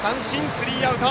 スリーアウト。